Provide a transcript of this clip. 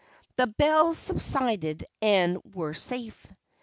The belles subsided and were safe.